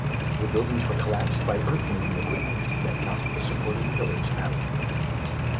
The buildings were collapsed by earthmoving equipment that knocked the supporting pillars out.